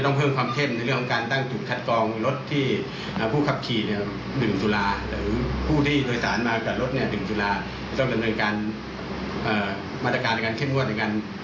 ถึงเหมือนว่าในสัพยาธิระยะธาปัง๖ปีโลเมตรเนี่ย